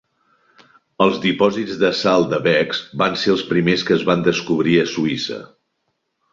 Els dipòsits de sal de Bex van ser els primers que es van descobrir a Suïssa.